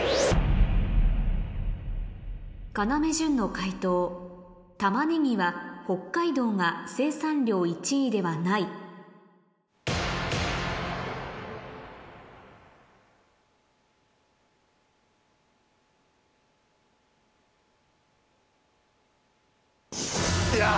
要潤の解答たまねぎは北海道が生産量１位ではないあ。